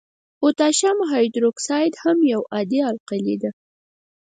پوتاشیم هایدروکساید هم یو عادي القلي ده.